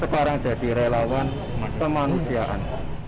sekarang jadi relawan kemanusiaan